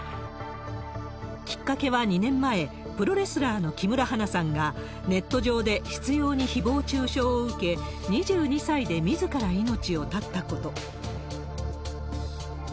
きっかけは２年前、プロレスラーの木村花さんが、ネット上で執ようにひぼう中傷を受け、２２歳でみずから命を絶ったこと。